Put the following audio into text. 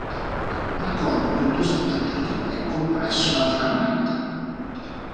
Il corpo è piuttosto appiattito e compresso lateralmente.